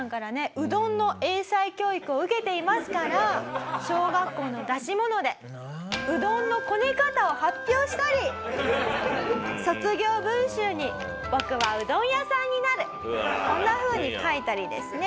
うどんの英才教育を受けていますから小学校の出し物でうどんのこね方を発表したり卒業文集に「僕はうどん屋さんになる」こんなふうに書いたりですね。